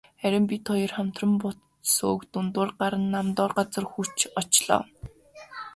Харин бид хоёр хамтран бут сөөг дундуур гаран нам доор газарт хүрч очлоо.